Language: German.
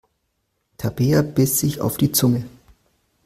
Tabea biss sich auf die Zunge.